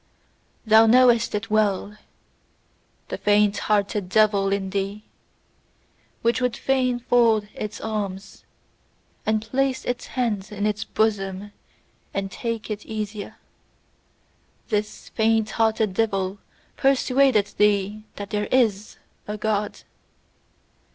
Thou knowest it well: the faint hearted devil in thee, which would fain fold its arms, and place its hands in its bosom, and take it easier: this faint hearted devil persuadeth thee that "there IS a God!"